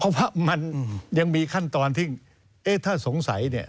เพราะว่ามันยังมีขั้นตอนที่เอ๊ะถ้าสงสัยเนี่ย